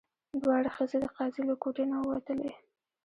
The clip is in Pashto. دواړه ښځې د قاضي له کوټې نه ووتلې.